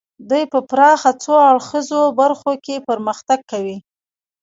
دوی په پراخه څو اړخیزو برخو کې پرمختګ کوي